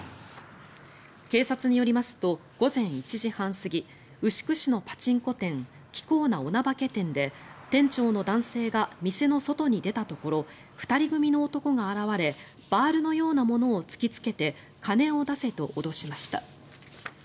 警察によりますと午前１時半過ぎ牛久市のパチンコ店キコーナ女化店で店長の男性が店の外に出たところ２人組の男が現れバールのようなものを突きつけて金を出せと脅しました。